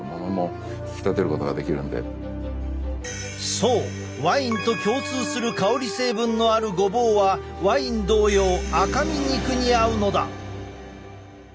そうワインと共通する香り成分のあるごぼうはワイン同様赤身肉に合うのだ！